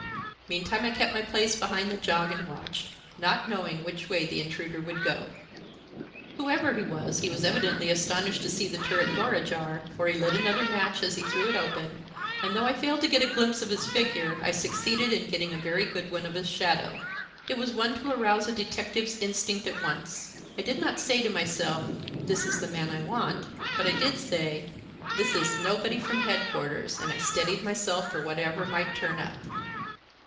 Meantime I kept my place behind the jog and watched, not knowing which way the intruder would go. "Whoever he was, he was evidently astonished to see the turret door ajar, for he lit another match as he threw it open and, though I failed to get a glimpse of his figure, I succeeded in getting a very good one of his shadow. It was one to arouse a detective's instinct at once. I did not say to myself, this is the man I want, but I did say, this is nobody from headquarters, and I steadied myself for whatever might turn up.